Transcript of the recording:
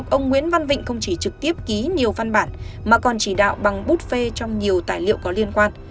ông nguyễn văn vịnh không chỉ trực tiếp ký nhiều văn bản mà còn chỉ đạo bằng bút phê trong nhiều tài liệu có liên quan